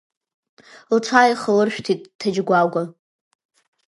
Лҽааихалыршәит Ҭаџьгәагәа.